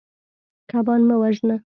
کبان مه وژنه.